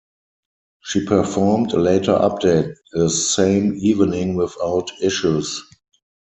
She performed a later update the same evening without issues.